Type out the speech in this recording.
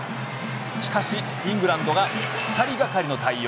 しかし、イングランドが２人がかりの対応。